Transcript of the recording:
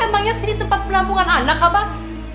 emangnya sini tempat pelabungan anak pak